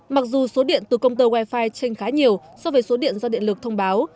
mặc dù số điện từ công tơ wi fi tranh khá nhiều so với số điện do điện lực thông báo